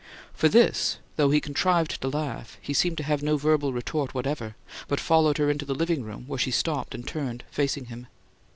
For this, though he contrived to laugh, he seemed to have no verbal retort whatever; but followed her into the "living room," where she stopped and turned, facing him.